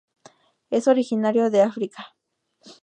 Es originario de África.